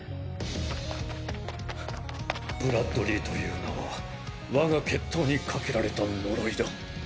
ブラッドリィという名は我が血統にかけられた呪いだ